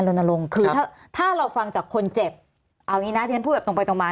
ทนาลงค์คือถ้าเราฟังจากคนเจ็บเอาอย่างนี้นะฉันพูดแบบตรงไปตรงมา